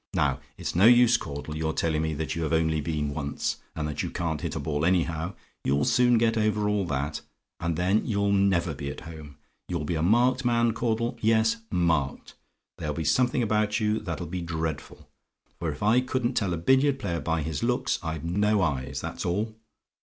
Now, it's no use, Caudle, your telling me that you have only been once, and that you can't hit a ball anyhow you'll soon get over all that; and then you'll never be at home. You'll be a marked man, Caudle; yes, marked: there'll be something about you that'll be dreadful; for if I couldn't tell a billiard player by his looks, I've no eyes, that's all.